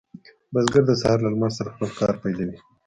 بزګر د سهار له لمر سره خپل کار پیلوي.